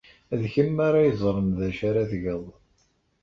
D kemm ara yeẓren d acu ara tged.